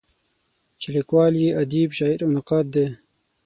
چې لیکوال یې ادیب، شاعر او نقاد دی.